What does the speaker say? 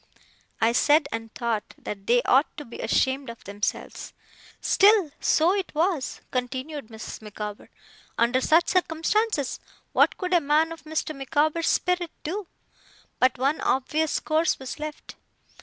I said, and thought, that they ought to be ashamed of themselves. 'Still, so it was,' continued Mrs. Micawber. 'Under such circumstances, what could a man of Mr. Micawber's spirit do? But one obvious course was left.